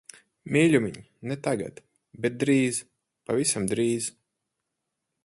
Mīļumiņ, ne tagad. Bet drīz, pavisam drīz.